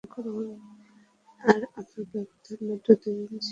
ওর আর আমার ব্যবধান মাত্র দুই ইঞ্চি ছিল!